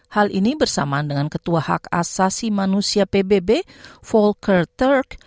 hal ini bersamaan dengan ketua hak asasi manusia pbb volker turk